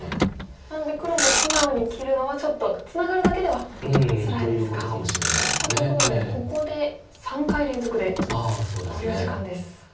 なので黒も素直に切るのはちょっとツナがるだけではつらいですか。ということかもしれないです。ということでここで３回連続で考慮時間です。